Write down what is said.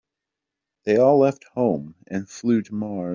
They all left home and flew to Mars.